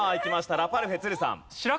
ラパルフェ都留さん。